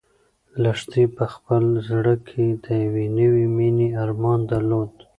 لښتې په خپل زړه کې د یوې نوې مېنې ارمان درلود.